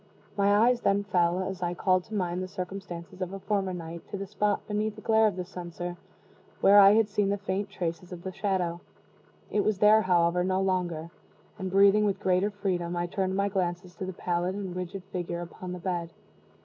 My eyes then fell, as I called to mind the circumstances of a former night, to the spot beneath the glare of the censer where I had seen the faint traces of the shadow. It was there, however, no longer; and breathing with greater freedom, I turned my glances to the pallid and rigid figure upon the bed.